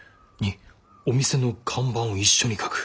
２お店の看板を一緒に描く。